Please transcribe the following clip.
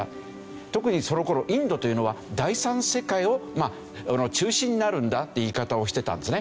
特にその頃インドというのは「第３世界の中心になるんだ」って言い方をしてたんですね。